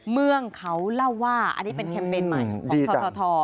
เมืองเขาเล่าว่าอันนี้เป็นแคมเปญใหม่ของทท